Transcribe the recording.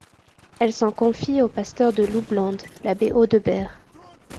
Elle s'en confie au pasteur de Loublande, l'abbé Audebert.